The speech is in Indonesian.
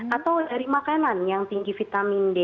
atau dari makanan yang tinggi vitamin d